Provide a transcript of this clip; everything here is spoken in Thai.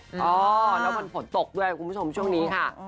อ๋อแล้ววันฝนตกด้วยคุณผู้ชมช่วงนี้ค่ะ